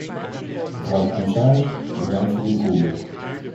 Mevrouw de commissaris, bedankt voor uw groenboek.